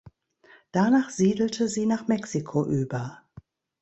Danach siedelte sie nach Mexiko über.